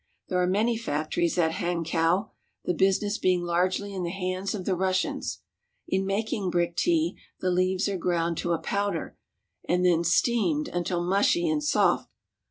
There are many factories at Hankow, the business being largely in the hands of the Russians. In making brick tea the leaves are ground to a powder, and then steamed until mushy and soft.